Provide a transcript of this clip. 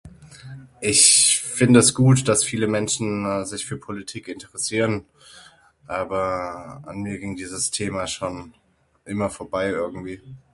Ich finde es gut das viele Menschen sich für Politik interessieren aber an mir ging dieses Thema schon immer vorbei irgendwie.